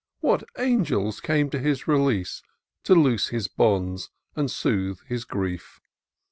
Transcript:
What angels came to his relief. To loose his bonds, and soothe his grief!